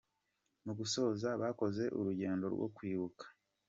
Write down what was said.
Mu gusoza bakoze urugendo rwo kwibuka.